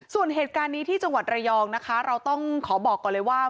ส่วนเหตุการณ์นี้ที่จังหวัดระยองนะคะเราต้องขอบอกก่อนเลยว่า